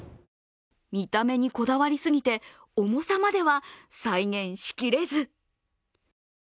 見た目にこだわりすぎて、重さまでは再現しきれず。